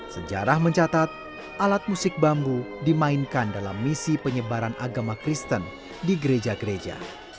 sejarah mencatat alat musik bambu dimainkan dalam misi penyebaran agama kristen di gereja gereja